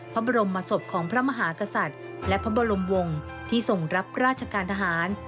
พระบรมศพของพระมหากษัตริย์และพระบรมวงศ์ที่ส่งรับราชการทหาร